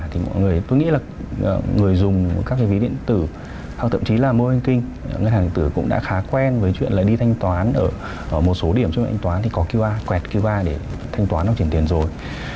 tôi nghĩ là người dùng các cái ví điện tử hoặc tậm chí là mô hình kinh ngân hàng điện tử cũng đã khá quen với chuyện là đi thanh toán ở một số điểm trong điện toán thì có qr quedqia để thanh toán hoặc truyền tiền rồi